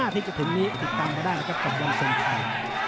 ๑๕ที่จะถึงนี้ติดตามกันได้กับวันทรงไทย